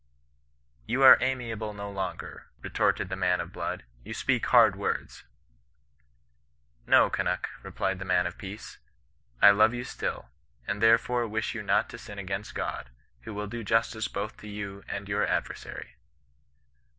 ' You are amiable no longer,' retorted the man of blood, ' you speak hard words.' ' Ko, Kunnuk,' replied the man of peace, ' I love you still, and therefore wish you not to sin against God, who will do justice both to you and your adversary.'